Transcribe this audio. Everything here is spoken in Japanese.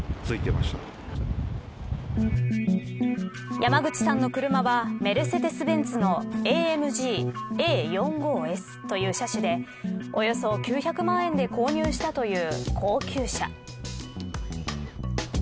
山口さんの車はメルセデスベンツのＡＭＧＡ４５Ｓという車種でおよそ９００万円で購入したという高級車。